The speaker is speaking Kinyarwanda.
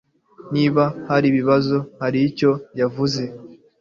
Niba haribibazo, hari icyo yavuze.